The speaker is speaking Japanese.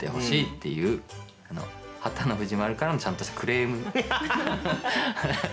いう波多野、藤丸からのちゃんとしたクレーム。